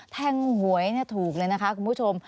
แทงหวยถูกเลยนะคะคุณผู้ชม